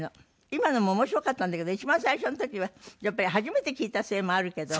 今のも面白かったんだけど一番最初の時はやっぱり初めて聞いたせいもあるけど。